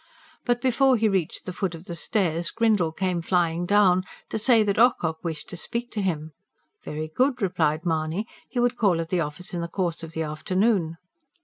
But before he reached the foot of the stairs Grindle came flying down, to say that Ocock wished to speak to him. Very good, replied Mahony, he would call at the office in the course of the afternoon.